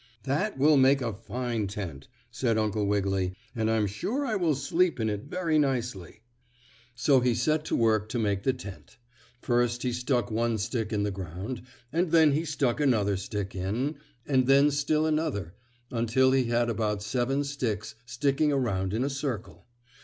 "That will make a fine tent!" said Uncle Wiggily, "and I'm sure I will sleep in it very nicely." So he set to work to make the tent. First he stuck one stick in the ground, and then he stuck another stick in, and then still another, until he had about seven sticks sticking around in a circle.